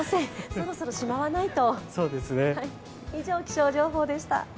そろそろしまわないと。